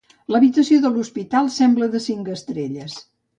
L'habitació de l'hospital sembla de cinc estrelles